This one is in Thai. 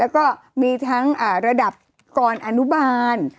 แล้วก็มีทั้งระดับก่อนอนุบาล